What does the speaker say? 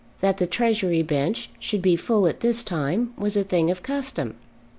That the Treasury bench should be full at this time was a thing of custom.